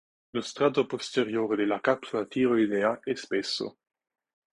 Lo strato posteriore della capsula tiroidea è spesso.